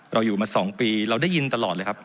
เราอยู่มา๒ปีเราได้ยินตลอดเลยครับ